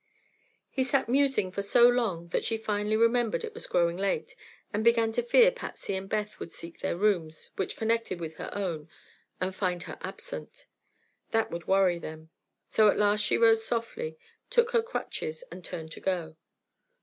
He sat musing for so long that she finally remembered it was growing late, and began to fear Patsy and Beth would seek their rooms, which connected with her own, and find her absent. That would worry them. So at last she rose softly, took her crutches and turned to go.